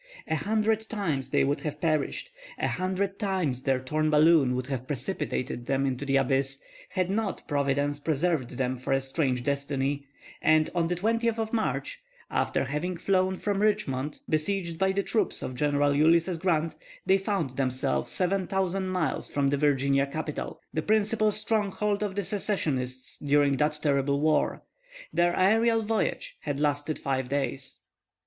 A hundred times they would have perished, a hundred times their torn balloon would have precipitated them into the abyss, had not Providence preserved them for a strange destiny, and on the 20th of March, after having flown from Richmond, besieged by the troops of General Ulysses Grant, they found themselves 7,000 miles from the Virginia capital, the principal stronghold of the Secessionists during that terrible war. Their aerial voyage had lasted five days.